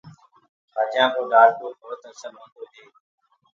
کآجآنٚ ڪو ڊآلٽو ڀوت اسل هوندو هي۔